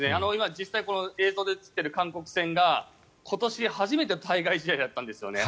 実際、映像で映っている韓国戦が今年初めての対外試合だったんですよね。